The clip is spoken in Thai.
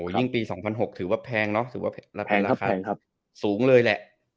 ยิ่งปี๒๐๐๖ถือว่าแพงเนาะสูงเลยแหละ